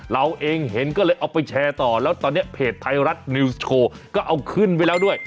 เราเองเห็นก็เลยเอาไปแชร์ต่อแล้วตอนนี้เพจไทยรัฐนิวส์โชว์ก็เอาขึ้นไว้แล้วด้วย